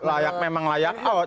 layak memang layak out